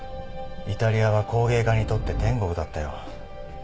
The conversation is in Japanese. イタリアは工芸家にとって天国だったよ。